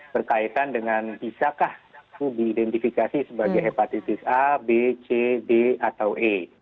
berkaitan dengan bisakah itu diidentifikasi sebagai hepatitis a b c d atau e